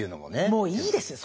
もういいですよ